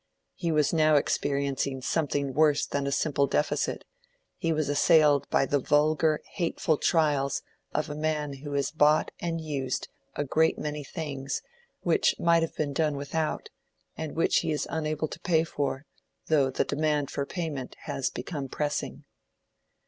He was now experiencing something worse than a simple deficit: he was assailed by the vulgar hateful trials of a man who has bought and used a great many things which might have been done without, and which he is unable to pay for, though the demand for payment has become pressing.